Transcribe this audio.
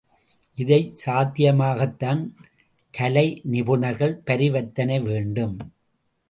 இதைச் சாத்தியமாக்கத்தான் கலை நிபுணர்கள் பரிவர்த்தனை வேண்டும்.